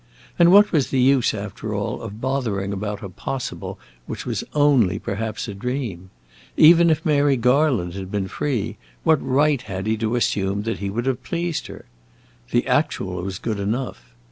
And what was the use, after all, of bothering about a possible which was only, perhaps, a dream? Even if Mary Garland had been free, what right had he to assume that he would have pleased her? The actual was good enough.